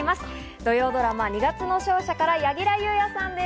土曜ドラマ『二月の勝者』から柳楽優弥さんです。